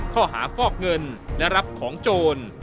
ข้อหาฟอกเงินและรับของโจร